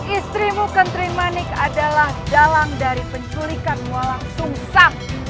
istrimu kentri manik adalah dalang dari penculikan walang sungsang